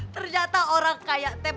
ternyata orang kayak teh